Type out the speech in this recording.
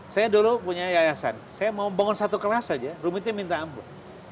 saya dulu punya yayasan saya mau membangun satu kelas saja rumitnya minta ampun